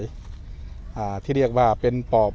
สวัสดีครับ